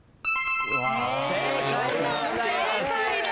お見事正解です。